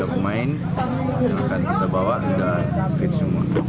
dua puluh tiga pemain yang kita bawa sudah fit semua